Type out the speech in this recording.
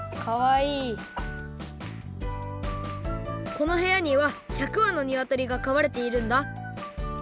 このへやには１００わのにわとりがかわれているんだ